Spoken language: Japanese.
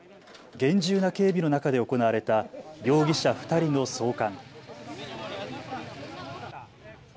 厳重な警備の中で行われた容疑者２人の送還。